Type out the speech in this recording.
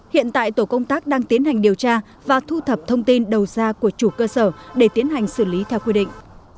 hiện tại tổ công tác đang tiến hành điều tra và thu thập thông tin đầu ra của chủ cơ sở để tiến hành xử lý theo quy định